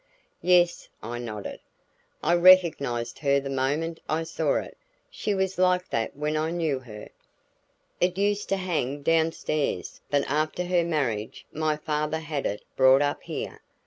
"Yes," I nodded. "I recognized her the moment I saw it. She was like that when I knew her." "It used to hang down stairs but after her marriage my father had it brought up here.